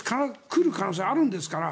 来る可能性あるんですから。